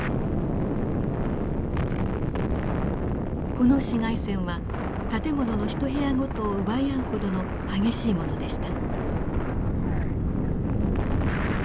この市街戦は建物の一部屋ごとを奪い合うほどの激しいものでした。